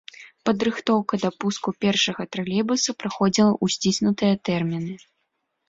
Падрыхтоўка да пуску першага тралейбуса праходзіла ў сціснутыя тэрміны.